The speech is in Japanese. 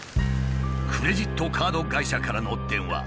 クレジットカード会社からの電話。